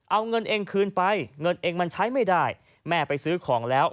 เอาเงินเองคืนไปเงินเองมันใช้ไม่ได้แม่ไปซื้อของแล้ว